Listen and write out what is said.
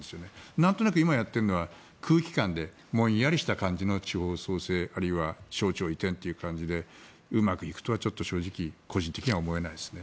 なんとなく今やっているのは空気感でもんやりした感じの地方創生あるいは省庁移転という感じでうまくいくとは正直個人的には思えないですね。